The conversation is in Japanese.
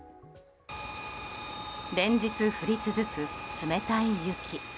連日降り続く冷たい雪。